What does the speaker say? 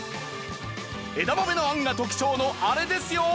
枝豆の餡が特徴のあれですよ！